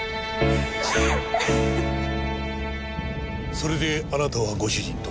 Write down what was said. それであなたはご主人と。